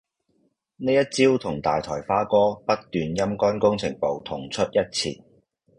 呢一招同大台花哥不斷陰乾工程部同出一轍